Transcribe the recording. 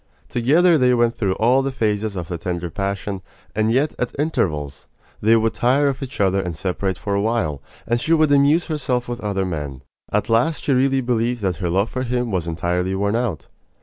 Together they went through all the phases of the tender passion; and yet, at intervals, they would tire of each other and separate for a while, and she would amuse herself with other men. At last she really believed that her love for him was entirely worn out.